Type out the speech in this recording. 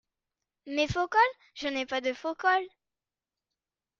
Mes faux cols ?… je n’ai pas de faux cols !